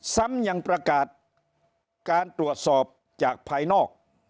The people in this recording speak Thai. ซ้ำยังประกาศการตรวจสอบจากภายนอก